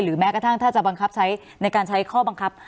แม้กระทั่งถ้าจะบังคับใช้ในการใช้ข้อบังคับ